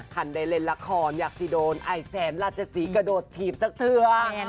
ท่านได้เล่นละครอยากสิโดนไอแสนราชศรีกระโดดถีบสักเทือน